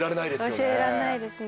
教えられないですね。